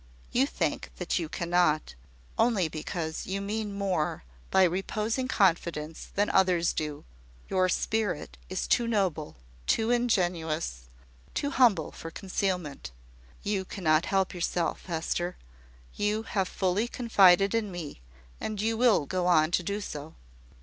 You think that you cannot, only because you mean more by reposing confidence than others do. Your spirit is too noble, too ingenuous, too humble for concealment. You cannot help yourself, Hester: you have fully confided in me, and you will go on to do so."